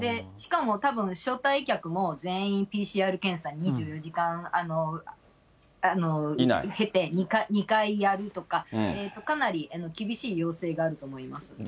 しかもたぶん、招待客も全員ＰＣＲ検査、２４時間経て、２回やるとか、かなり厳しい要請があると思います。